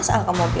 sampai ke mobil